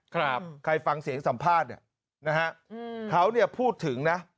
ใครฟังเสียงสัมภาษณ์เนี่ยนะฮะเขาเนี่ยพูดถึงนะ